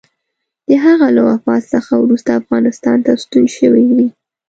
د هغه له وفات څخه وروسته افغانستان ته ستون شوی وي.